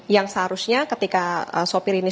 yang seharusnya ketika sopir ini